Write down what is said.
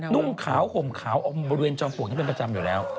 นุ่งขาวห่มขาวบริเวณจอมปลวกนี้เป็นประจำอยู่แล้ว